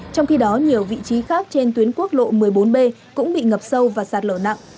trong khi đó nhiều vị trí khác trên tuyến quốc lộ một mươi bốn b cũng bị ngập sâu và sạt lở nặng